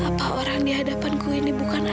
apa orang di hadapan ku ini bukan ayah